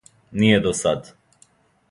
Није до сад.